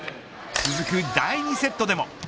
続く第２セットでも。